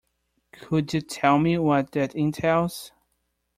Could you tell me what that entails?